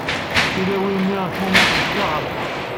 Tilawin-nni cmumḥent ta ɣer ta.